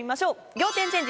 仰天チェンジ